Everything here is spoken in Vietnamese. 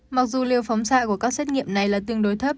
mặc dù liều phóng xạ của các xét nghiệm này là tương đối thấp